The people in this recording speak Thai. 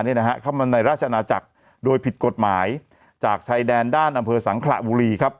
เข้ามาในราชนาจักรโดยผิดกฎหมายจากชายแดนด้านอำเภอสังขระบุรีครับ